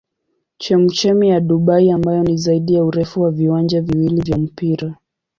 Chemchemi ya Dubai ambayo ni zaidi ya urefu wa viwanja viwili vya mpira.